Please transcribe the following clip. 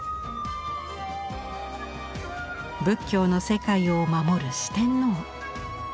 仏教の世界を守る四天王。